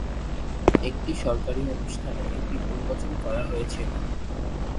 একটি সরকারী অনুষ্ঠানে এটি উন্মোচন করা হয়েছিল।